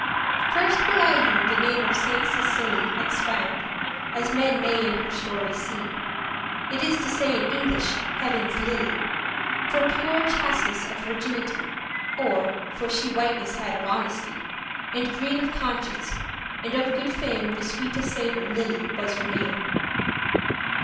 First will I you the name of Saint Cecilie Expound, as men may in her story see. It is to say in English, Heaven's lily,<7> For pure chasteness of virginity; Or, for she whiteness had of honesty,* *purity And green of conscience, and of good fame The sweete savour, Lilie was her name.